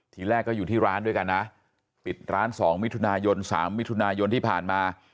ทีแรกก็อยู่ที่ร้านด้วยกันนะปิดร้าน๒มิถุนายน๓มิถุนายนที่ผ่านมา